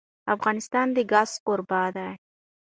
افغانستان د ګاز کوربه دی.